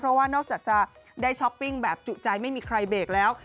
เพราะว่านอกจากจะได้ช้อปปิ้งแบบจุใจไม่มีใครเบรกแล้ว